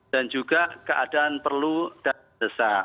dan juga keadaan perlu dan sesat